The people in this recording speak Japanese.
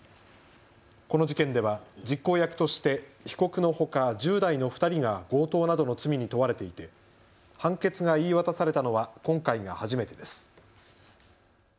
この事件では実行役として被告のほか、１０代の２人が強盗などの罪に問われていて判決が言い渡されたのは今回が初めてです。